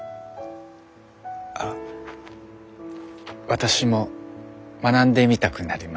あっ私も学んでみたくなりました。